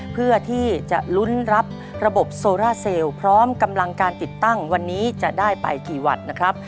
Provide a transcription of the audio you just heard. เพื่อที่จะลุ้นรับระบบโซราเซลล์พร้อมกำลังการติดตั้งวันนี้จะได้ไปกี่วันนะครับ